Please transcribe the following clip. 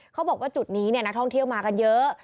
เขาบอกว่าจุดนี้นักท่องเที่ยวมากันเยอะ